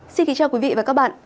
xin kính chào quý vị và các bạn